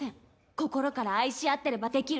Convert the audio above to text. こころから愛し合ってればできる。